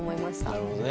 なるほどね。